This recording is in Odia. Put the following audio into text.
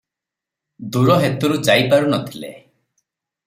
ଦୂର ହେତୁରୁ ଯାଇ ପାରୁ ନ ଥିଲେ ।